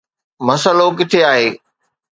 مسئلو ڪٿي آهي؟